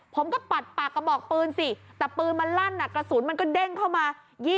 ปัดปากกระบอกปืนสิแต่ปืนมันลั่นกระสุนมันก็เด้งเข้ามา